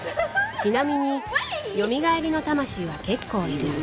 ちなみによみがえりの魂は結構いる